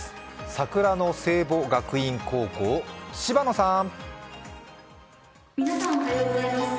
桜の聖母学院高校、柴野さん。